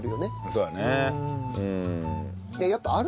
そうだね。